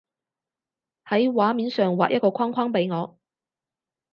喺畫面上畫一個框框畀我